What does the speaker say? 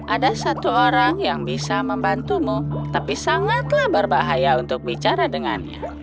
ada satu orang yang bisa membantumu tapi sangatlah berbahaya untuk bicara dengannya